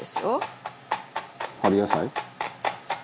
「春野菜？」